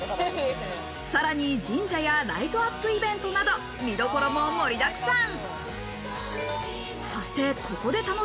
さらに神社やライトアップイベントなど、見どころも盛りだくさん。